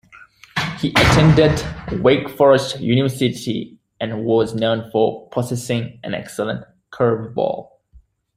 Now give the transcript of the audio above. He attended Wake Forest University and was known for possessing an excellent curveball.